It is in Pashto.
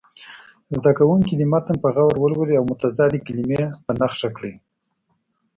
زده کوونکي دې متن په غور ولولي او متضادې کلمې په نښه کړي.